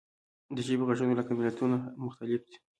د ژبې غږونه لکه ملتونه مختلف دي.